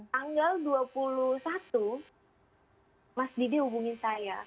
tanggal dua puluh satu mas didi hubungin saya